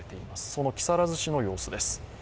その木更津市の様子です。